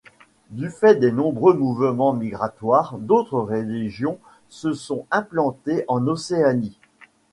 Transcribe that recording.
Du fait des nombreux mouvements migratoires, d'autres religions se sont implantées en Océanie.